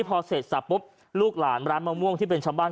พอเสร็จสับปุ๊บลูกหลานร้านมะม่วงที่เป็นชาวบ้าน